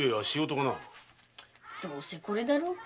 どうせこれだろ。